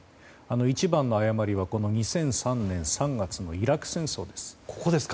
一番の誤りは２００３年３月のイラク戦争です。